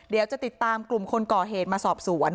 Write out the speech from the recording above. เดี๋ยวจะติดตามกลุ่มคนก่อเหตุมาสอบสวน